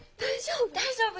大丈夫？